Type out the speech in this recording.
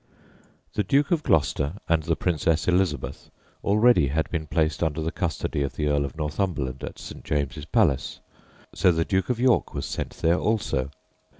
The Duke of Gloucester and the Princess Elizabeth already had been placed under the custody of the Earl of Northumberland at St. James's Palace, so the Duke of York was sent there also.